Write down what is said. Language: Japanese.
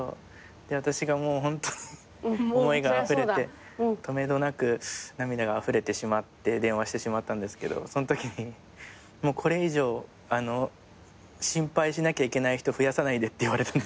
私がもうホントに思いがあふれて止めどなく涙があふれてしまって電話してしまったんですけどそのときに「もうこれ以上心配しなきゃいけない人増やさないで」って言われたんですよ。